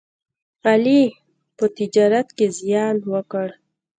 علي په تجارت کې زیان وکړ.